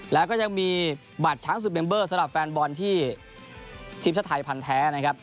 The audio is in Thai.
แล้วก็ยังมีบัตรช้างศึกเมมเบอร์สำหรับแฟนบอลที่ทีมชาติไทยพันแท้นะครับ